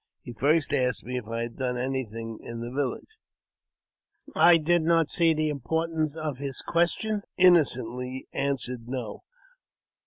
He first asked me if I had done anything in the village. I did not clearly see the import of his question, and I inno cently answered " No."